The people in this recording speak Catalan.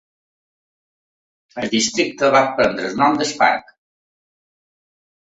El districte va prendre el nom del parc.